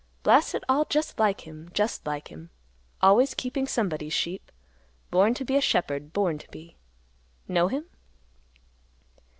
Blast it all, just like him, just like him; always keeping somebody's sheep; born to be a shepherd; born to be. Know him?"